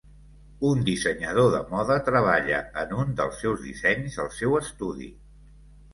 Un dissenyador de moda treballa en un dels seus dissenys al seu estudi.